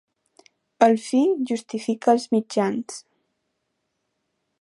El fi justifica els mitjans.